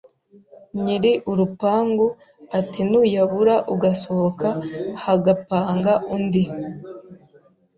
Nyiri urupangu ati nuyabura ugasohoka hagapanga undi